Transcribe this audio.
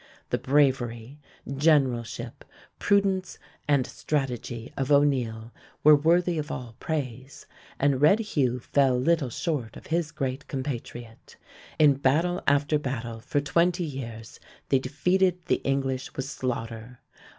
The bravery, generalship, prudence, and strategy of O'Neill were worthy of all praise, and Red Hugh fell little short of his great compatriot. In battle after battle for twenty years they defeated the English with slaughter.